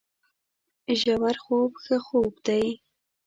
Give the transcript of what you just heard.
ژورخوب ښه خوب دی